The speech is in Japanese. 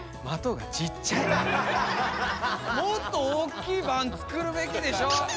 もっと大きいばんつくるべきでしょ！